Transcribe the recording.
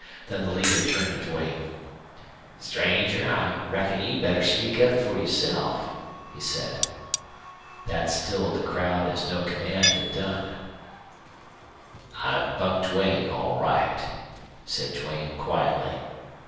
Then the leader turned to Duane. "Stranger, I reckon you'd better speak up for yourself," he said. That stilled the crowd as no command had done. "I'm Buck Duane, all right." said Duane, quietly.